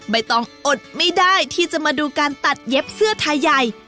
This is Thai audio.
ใบตองอดไม่ได้ที่จะมาดูการตัดเย็บเสื้อไทยใหญ่